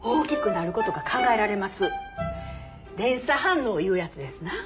連鎖反応いうやつですな。